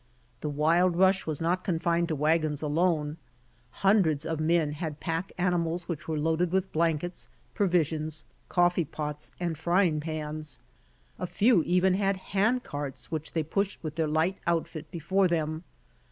The wild rush was not confined to wagons alone. Hundreds of m«n had pack animals which were loaded with blankets, pro visions, coffee pots and frying pans. A few even had hand carts which they pushed with their light outfit before them.